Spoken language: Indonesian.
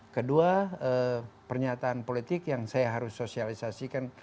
kedua pernyataan politik yang saya harus sosialisasikan